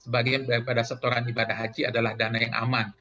bagian daripada setoran ibadah haji adalah dana yang aman